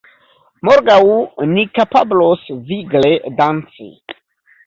Morgaŭ ni kapablos vigle danci